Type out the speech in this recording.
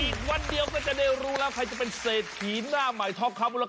อีกวันเดียวก็จะได้รู้แล้วใครจะเป็นเศรษฐีหน้าใหม่ทองคำมูลค่า